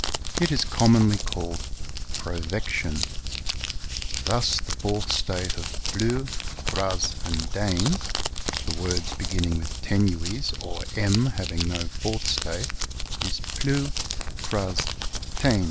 It is commonly called provection. Thus, the fourth state of Blew, Gras, and Den (the words beginning with tenues or m having no fourth state) is Plew, Cras, Ten.